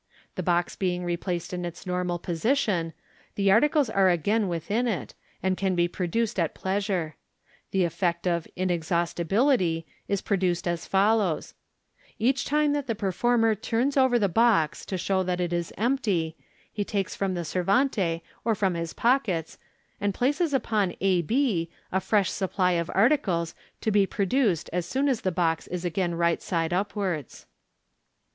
The box being replaced in its normal position, the ar<icles aie again within it, and can be produced at plea sure. The effect of "inexhaustibility" is produced as follows: — Each time that the performer turns over the box to show that it is empty, he takes from the servante, or from his pockets, and places upon a b, a fresh supply of ai tides, to be produced as soon as the box is again right side upwards.